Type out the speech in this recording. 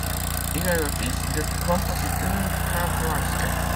Il est le fils du compositeur Karl Prohaska.